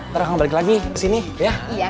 nanti akang balik lagi kesini ya